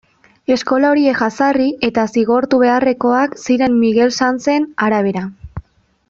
Eskola horiek jazarri eta zigortu beharrekoak ziren Miguel Sanzen arabera.